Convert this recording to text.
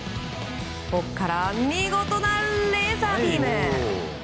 ここから見事なレーザービーム。